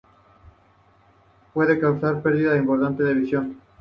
Puede causar perdida importante de visión.